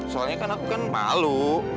soalnya kan aku kan malu